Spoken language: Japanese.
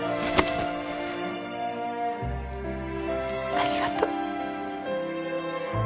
ありがとう。